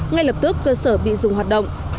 ngay lập tức cơ sở bị dùng hoạt động